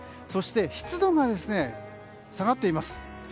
そして湿度が下がっています。